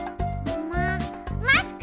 ママスク！